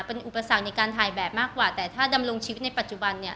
เป็นอุปสรรคในการถ่ายแบบมากกว่าแต่ถ้าดำรงชีวิตในปัจจุบันเนี่ย